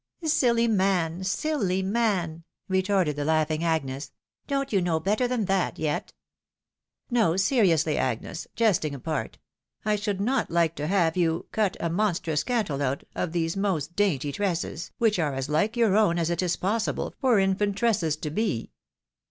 "Silly man! silly man!" retorted the laughing Agnes. " Don't you know better than that yet ?"" No, seriously, Agnes — jesting apart — I should not like to have you ' cut a monstrom cantle out' of these most dainty tresses, which are as hke your own as it is possible for infant tresses to be."